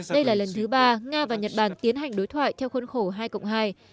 đây là lần thứ ba nga và nhật bản tiến hành đối thoại theo khuôn khổ hai cộng hai